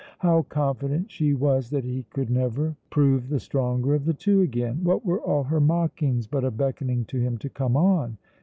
How confident she was that he could never prove the stronger of the two again! What were all her mockings but a beckoning to him to come on?